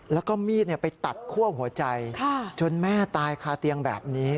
แล้วก็มีดไปตัดคั่วหัวใจจนแม่ตายคาเตียงแบบนี้